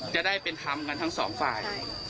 จะได้เป็นธรรมกันทั้งสองฝ่าย